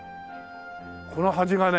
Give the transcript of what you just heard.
この端がね